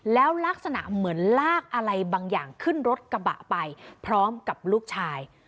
แล้วลักษณะเหมือนลากอะไรบางอย่างขึ้นรถกระบะไปพร้อมกับลูกชาย